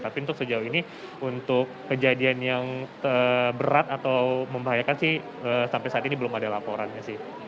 tapi untuk sejauh ini untuk kejadian yang berat atau membahayakan sih sampai saat ini belum ada laporannya sih